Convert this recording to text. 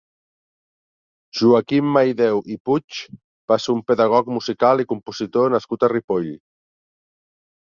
Joaquim Maideu i Puig va ser un pedagog musical i compositor nascut a Ripoll.